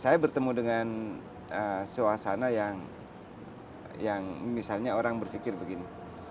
saya bertemu dengan suasana yang misalnya orang berpikir begini